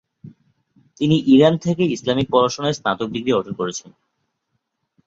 তিনি ইরান থেকে ইসলামিক পড়াশুনায় স্নাতক ডিগ্রি অর্জন করেছেন।